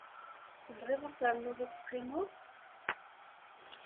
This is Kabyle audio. Tebɣiḍ ad ternuḍ ad teqqimeḍ?